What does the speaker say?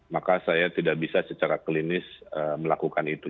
maka saya tidak bisa secara klinis melakukan itu